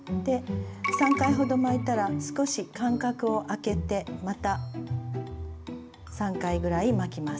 ３回ほど巻いたら少し間隔を空けてまた３回ぐらい巻きます。